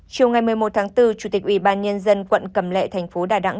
chiều ngày một mươi một tháng bốn chủ tịch ủy ban nhân dân quận cẩm lệ tp đà nẵng